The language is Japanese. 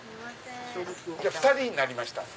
２人になりました。